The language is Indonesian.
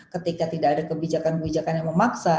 ketika tidak ada kebijakan kebijakan yang memaksa